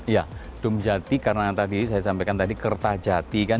ya dumjati karena tadi saya sampaikan tadi kertajati kan